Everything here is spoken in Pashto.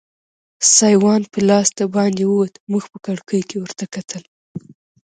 سایوان په لاس دباندې ووت، موږ په کړکۍ کې ورته کتل.